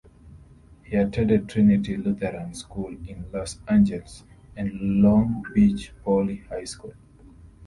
He attended Trinity Lutheran School in Los Angeles and Long Beach Poly High School.